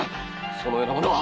そのような者は。